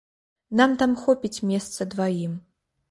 Нам там хопіць месца дваім.